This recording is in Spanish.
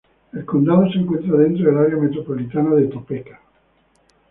El condado se encuentra dentro del área metropolitana de Topeka.